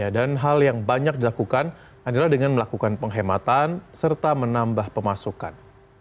dan hal yang banyak dilakukan adalah dengan melakukan penghematan serta menambah pemasukan